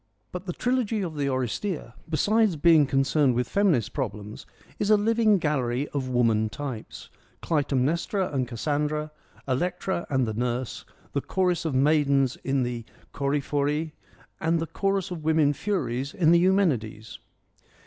' But the trilogy of the Oresteia, besides being con cerned with feminist problems, is a living gallery of woman types : Clytemnestra and Cassandra, Electra and the Nurse, the chorus of maidens in the Choephoroi, and the chorus of women furies in the Eumenides.